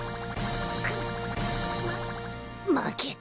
くっまっ負けた。